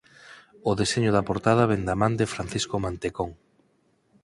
O deseño da portada vén da man de Francisco Mantecón.